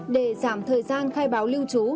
để giảm thời gian khai báo lưu trú